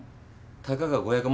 たかが５００万？